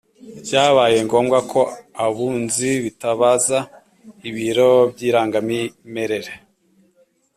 byabaye ngombwa ko abunzi bitabaza ibiro by’irangamimerere.